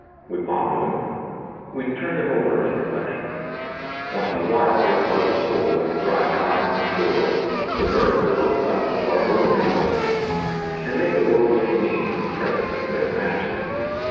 We ponder them. We turn them over in reflection. Once in a while they flood the soul and ride high on the shore and submerge the low flats of our ordinary life and make the world look mean in the presence of their majesty.